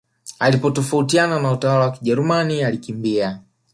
Alipotafautiana na utawala wa kijerumani alikimbia